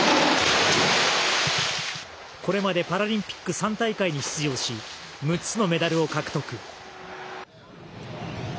これまでパラリンピック３大会に出場し６つのメダルを獲得。